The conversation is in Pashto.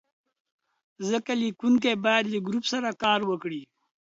ځکه لیکونکی باید له ګروپ سره کار وکړي.